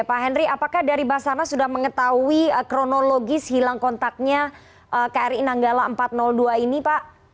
pak henry apakah dari basarnas sudah mengetahui kronologis hilang kontaknya kri nanggala empat ratus dua ini pak